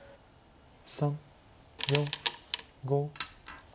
３４５。